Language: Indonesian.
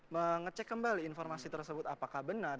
mengecek kembali informasi tersebut apakah benar